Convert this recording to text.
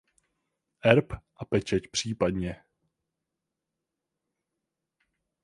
Erb a pečeť příp.